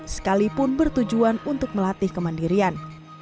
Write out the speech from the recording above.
sekalipun bertujuan untuk melatih kemandirian